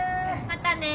またね。